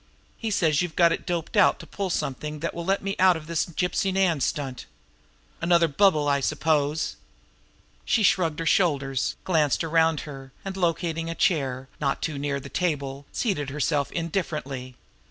"He says you've got it doped out to pull something that will let me out of this Gypsy Nan stunt. Another bubble, I suppose!" She shrugged her shoulders, glanced around her, and, locating a chair not too near the table seated herself indifferently.